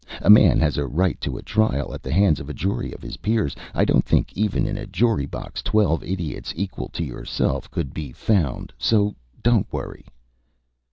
A man has a right to a trial at the hands of a jury of his peers. I don't think even in a jury box twelve idiots equal to yourself could be found, so don't worry."